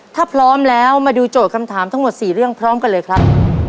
ถ้าพร้อมแล้วมาดูโจทย์คำถามทั้งหมด๔เรื่องพร้อมกันเลยครับ